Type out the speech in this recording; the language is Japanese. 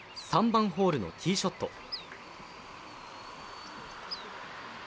３番ホールのティーショット。